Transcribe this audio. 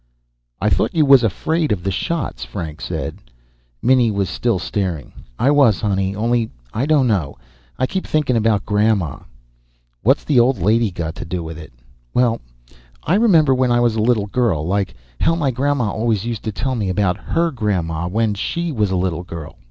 "I thought you was afraid of the shots," Frank said. Minnie was still staring. "I was, honey. Only, I dunno. I keep thinking about Grandma." "What's the old lady got to do with it?" "Well, I remember when I was a little girl, like. How my Grandma always used to tell me about her Grandma, when she was a little girl.